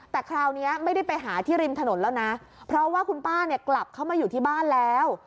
แต่คราวนี้ไม่ได้ไปหาที่ริมถนนแล้วนะเพราะว่าคุณป้าเนี่ยกลับเข้ามาอยู่ที่บ้านแล้ว